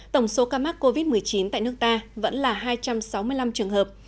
tổng số ca mắc covid một mươi chín tại nước ta vẫn là hai trăm sáu mươi năm trường hợp